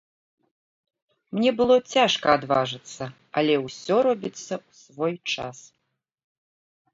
Мне было цяжка адважыцца, але ўсё робіцца ў свой час.